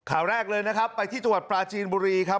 ข่าวแรกเลยนะครับไปที่จังหวัดปลาจีนบุรีครับ